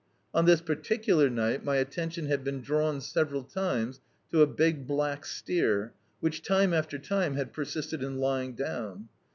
On this particular night my attention had been drawn several times to a big black steer, which, time after time, had persisted in lying down.